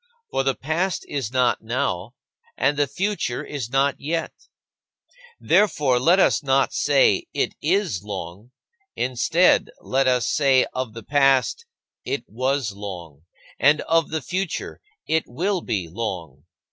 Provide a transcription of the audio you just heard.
For the past is not now, and the future is not yet. Therefore, let us not say, "It is long"; instead, let us say of the past, "It was long," and of the future, "It will be long."